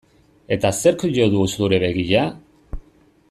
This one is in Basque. Eta zerk jo du zure begia?